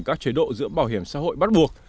các chế độ giữa bảo hiểm xã hội bắt buộc